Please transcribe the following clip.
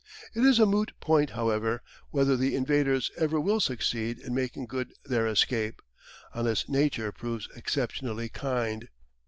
It is a moot point, however, whether the invaders ever will succeed in making good their escape, unless Nature proves exceptionally kind.